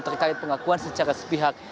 terkait pengakuan secara sepihak